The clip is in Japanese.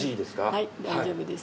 はい大丈夫です。